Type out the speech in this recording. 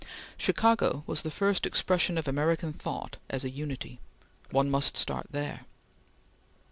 Chicago was the first expression of American thought as a unity; one must start there.